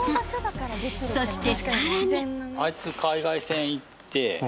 ［そしてさらに］